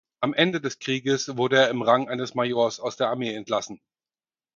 Am Ende des Krieges wurde er im Rang eines Majors aus der Armee entlassen.